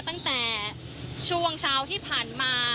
ตั้งแต่ช่วงเช้าที่ผ่านมา